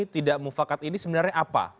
tidak mufakat ini sebenarnya apa